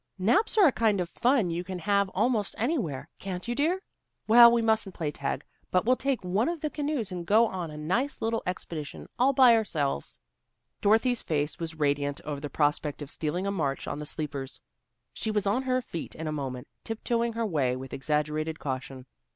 "Naps are a kind of fun you can have almost anywhere, can't you, dear? Well, we mustn't play tag, but we'll take one of the canoes and go on a nice little expedition all by ourselves." Dorothy's face was radiant over the prospect of stealing a march on the sleepers. She was on her feet in a moment, tiptoeing her way with exaggerated caution.